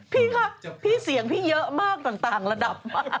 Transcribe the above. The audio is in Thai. พี่คะพี่เสียงพี่เยอะมากต่างระดับมาก